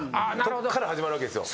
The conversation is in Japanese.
こっから始まるわけですよ。